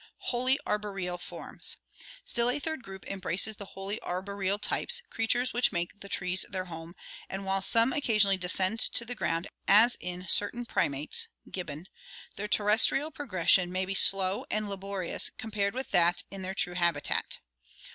Wholly Arboreal Forms. — Still a third group embraces the wholly arboreal types, creatures which make the trees their home, and while some occasionally descend to the ground as in certain primates (gibbon), their terrestrial progression may be slow and laborious compared with that in their true habitat.